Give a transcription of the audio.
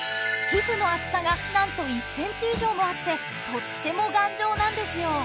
皮膚の厚さがなんと１センチ以上もあってとっても頑丈なんですよ。